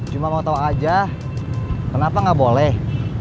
cuma mau tahu aja kenapa nggak boleh